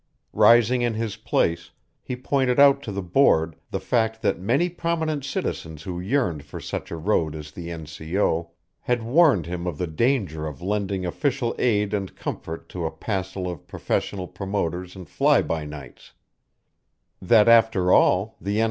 Rising in his place, he pointed out to the board the fact that many prominent citizens who yearned for such a road as the N. C. O. had warned him of the danger of lending official aid and comfort to a passel of professional promoters and fly by nights; that after all, the N.